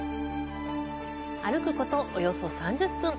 歩くこと、およそ３０分。